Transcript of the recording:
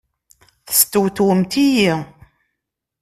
Testewtwemt-iyi!